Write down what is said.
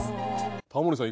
タモリさん